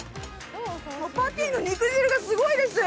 パティーの肉汁がすごいです！